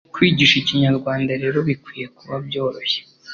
Kwigisha Ikinyarwanda rero bikwiye kuba byoroshye